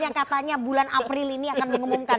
yang katanya bulan april ini akan mengumumkan